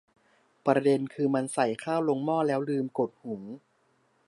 ประเด็นคือมันใส่ข้าวลงหม้อแล้วลืมกดหุง